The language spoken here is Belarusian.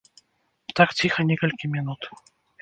Так ціха некалькі мінут.